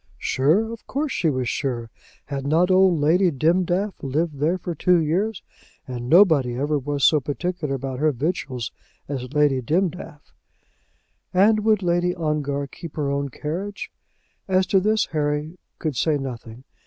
Sure; of course she was sure. Had not old Lady Dimdaff lived there for two years, and nobody ever was so particular about her victuals as Lady Dimdaff. "And would Lady Ongar keep her own carriage?" As to this Harry could say nothing.